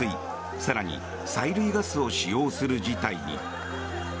更に催涙ガスを使用する事態に。